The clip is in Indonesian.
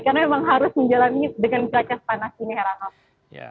karena memang harus menjalani dengan cuaca panas ini